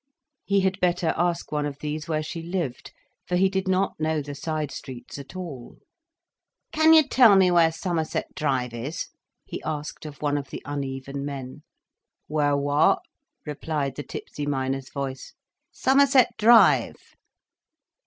He had better ask one of these where she lived—for he did not know the side streets at all. "Can you tell me where Somerset Drive is?" he asked of one of the uneven men. "Where what?" replied the tipsy miner's voice. "Somerset Drive."